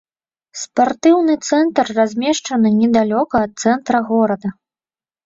Спартыўны цэнтр размешчаны недалёка ад цэнтра горада.